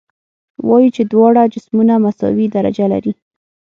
وایو چې دواړه جسمونه مساوي درجه لري.